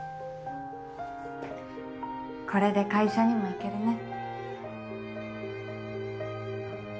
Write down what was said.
これで会社にも行けるね。